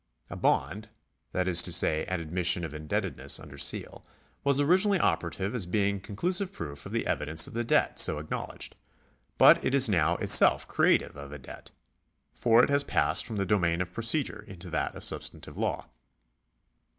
A bond (that is to say, an admission of indebted ness under seal) was originally operative as being conclusive proof of the existence of the debt so acknowledged ; but it is now itself creative of a debt ; for it has passed from the domain of procedure into that of substantive law.